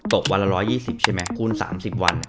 ตกวันละ๑๒๐ใช่ไหมคูณ๓๐วัน